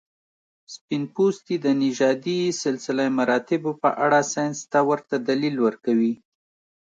سپین پوستي د نژادي سلسله مراتبو په اړه ساینس ته ورته دلیل ورکوي.